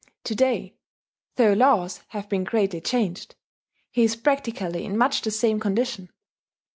To day, though laws have been greatly changed, he is practically in much the same condition.